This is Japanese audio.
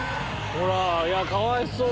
ほらあいやかわいそう。